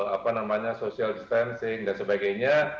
apa namanya social distancing dan sebagainya